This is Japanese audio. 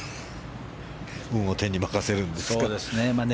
運を天に任せるんですか。